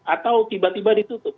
atau tiba tiba ditutup